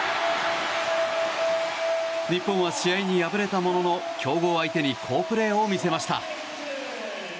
日本は試合に敗れたものの強豪相手に好プレーを見せました。